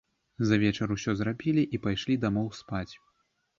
За вечар усё зрабілі і пайшлі дамоў спаць.